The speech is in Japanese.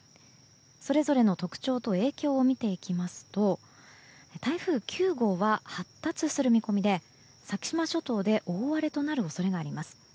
それぞれの特徴と影響を見ていきますと台風９号は発達する見込みで先島諸島で大荒れとなる恐れがあります。